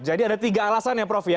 jadi ada tiga alasannya prof ya